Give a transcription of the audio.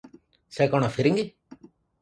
ସେ କଣ ଫିରିଙ୍ଗୀ?